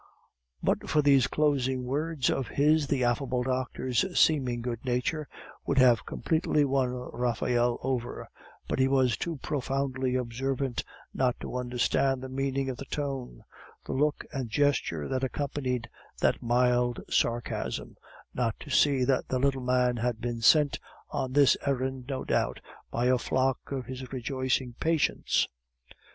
But for these closing words of his, the affable doctor's seeming good nature would have completely won Raphael over; but he was too profoundly observant not to understand the meaning of the tone, the look and gesture that accompanied that mild sarcasm, not to see that the little man had been sent on this errand, no doubt, by a flock of his rejoicing patients.